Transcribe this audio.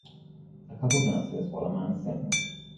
A couple dances while a man sings